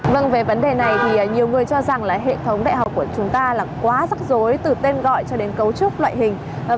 vâng về vấn đề này thì nhiều người cho rằng là hệ thống đại học của chúng ta là quá rắc rối từ tên gọi cho đến cấu trúc loại hình